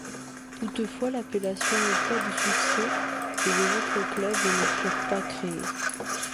Toutefois l’appellation n’eut pas de succès et les autres clubs ne furent pas créés.